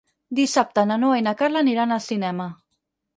Dissabte na Noa i na Carla aniran al cinema.